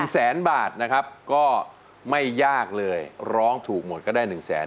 ๑แสนบาทก็ไม่ยากเลยร้องถูกหมดก็ได้หนึ่งแสน